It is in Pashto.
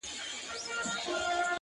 تنها نوم نه چي خِصلت مي د انسان سي,